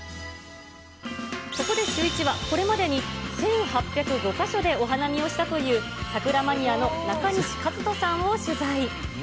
そこでシューイチは、これまでに１８０５か所でお花見をしたという桜マニアの中西一登さんを取材。